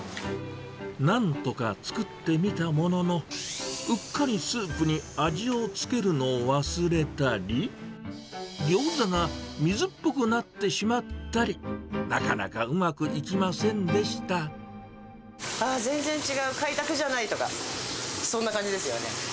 なんとか作ってみたものの、うっかりスープに味をつけるのを忘れたり、ギョーザが水っぽくなってしまったり、なかなかうまくいきませんああ、全然違う、開拓じゃないとか、そんな感じですよね。